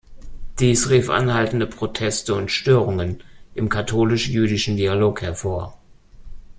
Dies rief anhaltende Proteste und Störungen im katholisch-jüdischen Dialog hervor.